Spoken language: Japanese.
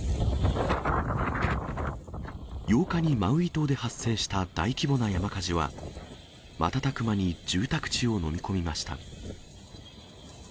８日にマウイ島で発生した大規模な山火事は、瞬く間に住宅地を飲み込みました。